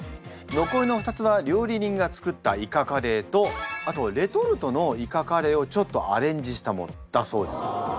残りの２つは料理人が作ったイカカレーとあとレトルトのイカカレーをちょっとアレンジしたものだそうです。